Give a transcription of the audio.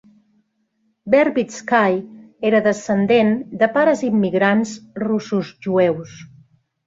Verbitsky era descendent de pares immigrants russos-jueus.